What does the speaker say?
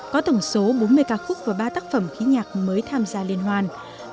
có tổng số bốn mươi ca khúc và ba tác phẩm khí nhạc mới tham gia liên hoan